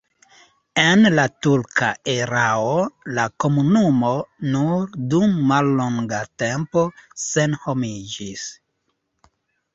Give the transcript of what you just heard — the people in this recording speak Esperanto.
En la turka erao la komunumo nur dum mallonga tempo senhomiĝis.